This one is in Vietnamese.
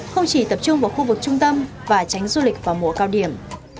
không chỉ tập trung vào khu vực trung tâm và tránh du lịch vào mùa cao điểm